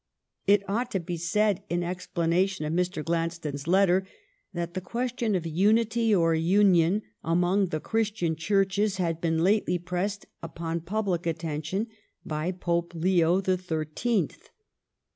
It ought to be said in explanation of Mr. Gladstone's letter that the question of unity or union among the Christian churches had been lately pressed upon public attention by Pope Leo the Thirteenth.